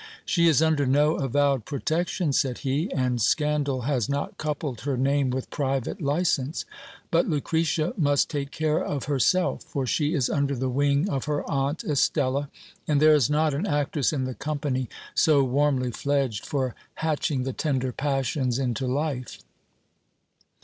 She is under no avowed protection, said he ; and scandal has not coupled her name with private licence ; but Lucretia must take care of herself, for she is under the wing of her aunt Estella ; and there is not an actress in the company so warmly fledged for hatching the tender passions into fife.